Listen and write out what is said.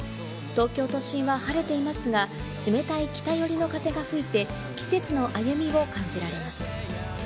東京都心は晴れていますが、冷たい北寄りの風が吹いて、季節の歩みを感じられます。